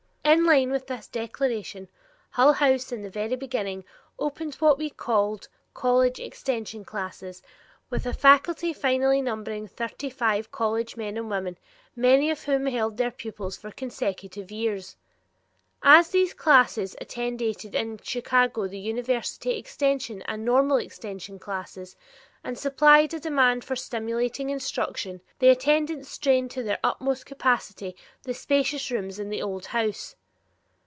In line with this declaration, Hull House in the very beginning opened what we called College Extension Classes with a faculty finally numbering thirty five college men and women, many of whom held their pupils for consecutive years. As these classes antedated in Chicago the University Extension and Normal Extension classes and supplied a demand for stimulating instruction, the attendance strained to their utmost capacity the spacious rooms in the old house.